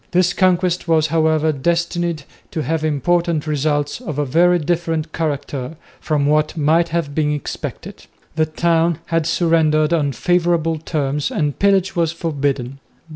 This conquest was, however, destined to have important results of a very different character from what might have been expected. The town had surrendered on favourable terms and pillage was forbidden.